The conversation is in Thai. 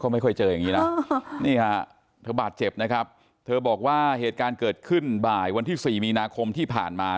เธอบาดเจ็บนะครับเธอบอกว่าเหตุการณ์เกิดขึ้นบ่ายวันที่๔มีนาคมที่ผ่านมา